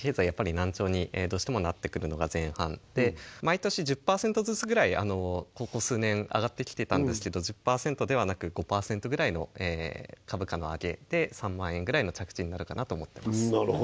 やっぱり軟調にどうしてもなってくるのが前半で毎年１０％ずつぐらいここ数年上がってきてたんですけど１０％ではなく５％ぐらいの株価の上げで３万円ぐらいの着地になるかなと思っています